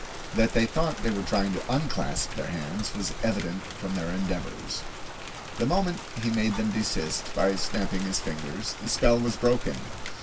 That they thought they were trying to unclasp their hands was evident from their endeavors. The moment he made them desist, by snapping his fingers, the spell was broken.